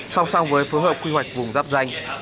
song song với phối hợp quy hoạch vùng dắp danh